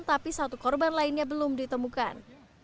tapi satu korban lainnya belum ditemukan